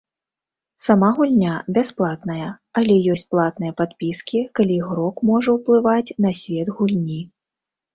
Сама гульня бясплатная, але ёсць платныя падпіскі, калі ігрок можа ўплываць на свет гульні.